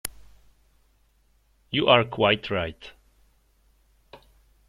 You are quite right.